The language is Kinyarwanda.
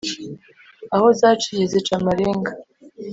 aho zaciye zica amarenga